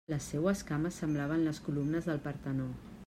Les seues cames semblaven les columnes del Partenó.